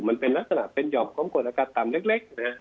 มันเป็นหลักศนาของกฏอากาศตำเล็ก